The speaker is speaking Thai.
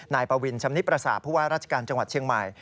นายปวิญชำนิปรสาพหัวราชการจังหวัดเชียงใหม่